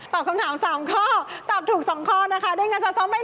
ตอบคำถาม๓ข้อตอบถูก๒ข้อด้วยกันจะสอมไป๑๐๐๐๐บาท